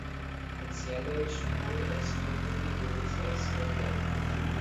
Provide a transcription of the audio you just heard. Its yellowish wood is frequently used as timber.